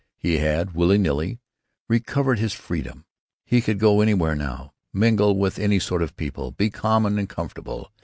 He had, willy nilly, recovered his freedom. He could go anywhere, now; mingle with any sort of people; be common and comfortable.